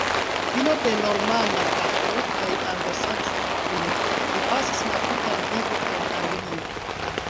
Filo de normanda patro kaj anglosaksa patrino, li pasis la tutan vivon en Anglio.